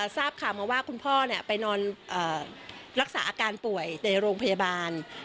ทราบข่าวมาว่าคุณพ่อไปนอนรักษาอาการป่วยในโรงพยาบาล